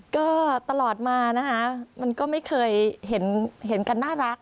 ก็ตลอดมานะคะมันก็ไม่เคยเห็นกันน่ารัก